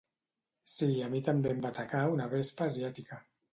Sí, a mi també em va atacar una vespa asiàtica.